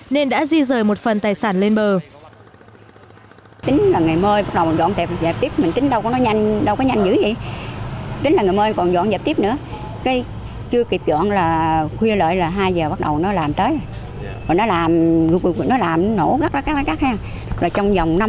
nên đã di rời một phần tài sản lên bờ